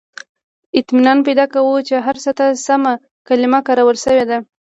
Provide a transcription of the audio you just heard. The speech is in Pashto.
• اطمینان پیدا کوم، چې هر څه ته سمه کلمه کارول شوې ده.